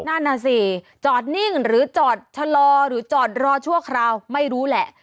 นั่นน่ะสิจอดนิ่งหรือจอดชะลอหรือจอดรอชั่วคราวไม่รู้แหละ